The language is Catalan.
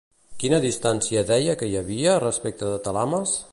Quina distància deia que hi havia respecte de Talames?